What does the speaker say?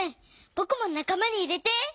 ぼくもなかまにいれて！